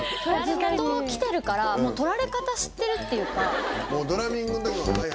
ずっと来てるから撮られ方知ってるっていうか。